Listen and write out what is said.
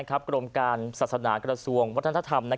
กรมการศาสนากระทรวงวัฒนธรรม